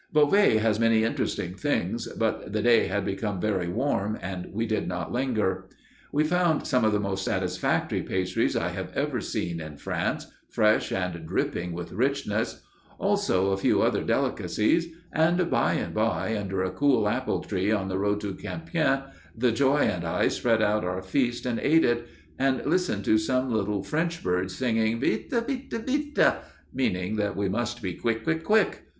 Beauvais has many interesting things, but the day had become very warm, and we did not linger. We found some of the most satisfactory pastries I have ever seen in France, fresh, and dripping with richness; also a few other delicacies, and by and by, under a cool apple tree on the road to Compiègne, the Joy and I spread out our feast and ate it and listened to some little French birds singing, "Vite! Vite! Vite!" meaning that we must be "Quick! Quick! Quick!"